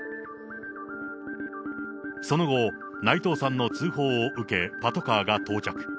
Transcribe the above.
その後、内藤さんの通報を受け、パトカーが到着。